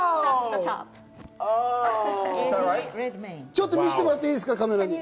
ちょっと見せてもらっていいですか、カメラに。